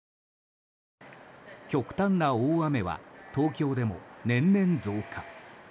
極端な大雨は東京でも年々増加。